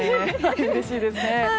うれしいですね。